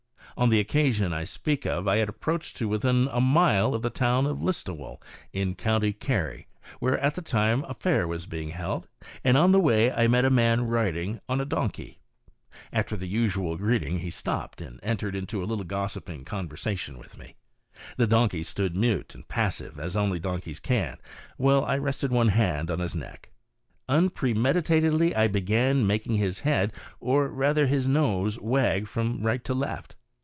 On the occasion I speak of I had approached to within a mile of the town of Listowel, in county Kerry, where at the time a fair was being held, and on the way I met a man riding on a donkey After the usual greeting he stopped, and entered into a little gossiping conversation with me. The donkey stood mute and passive, as only donkeys can, while I rested one hand on his neck. Unpremeditatedly I began making his head, or rather his nose, wag from right to left.